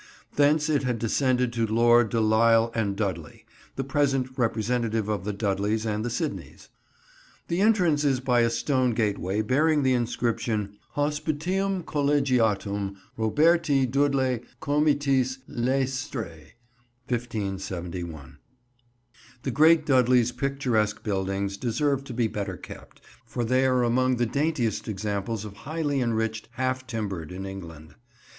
Thence it has descended to Lord de L'isle and Dudley, the present representative of the Dudleys and the Sidneys. The entrance is by a stone gateway bearing the inscription "Hospitivm Collegiatvm Roberti Dvdlei Comitis Leycestriæ 1571." The great Dudley's picturesque buildings deserve to be better kept, for they are among the daintiest examples of highly enriched half timbering in England.